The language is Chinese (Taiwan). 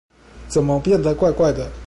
怎麼變得怪怪的